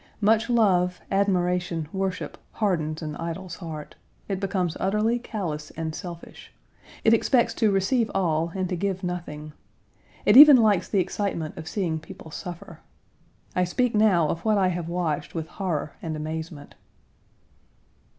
Much love, admiration, worship hardens an idol's heart. It becomes utterly callous and selfish. It expects to receive all and to give nothing. It even likes the excitement of seeing people suffer. I speak now of what I have watched with horror and amazement.